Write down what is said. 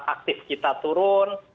kasus aktif kita turun